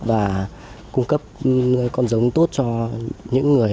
và cung cấp con giống tốt cho những người